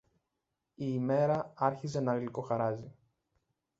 Η μέρα άρχιζε να γλυκοχαράζει.